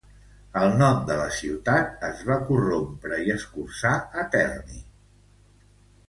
El nom de la ciutat es va corrompre i escurçar a Terni.